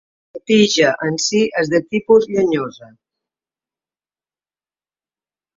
La tija en si és de tipus llenyosa.